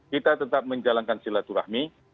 kita tetap menjalankan silaturahmi